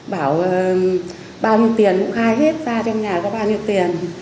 bảo bao nhiêu tiền cũng khai hết ra trên nhà có bao nhiêu tiền